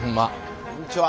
こんにちは。